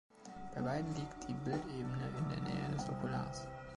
Bei beiden liegt die Bildebene in der Nähe des Okulars.